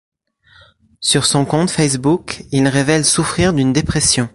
Sur son compte Facebook, il révèle souffrir d'une dépression.